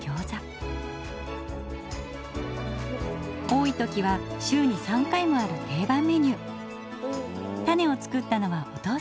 多い時は週に３回もある定番メニュー。